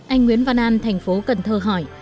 anh nguyễn văn an thành phố cần thơ hỏi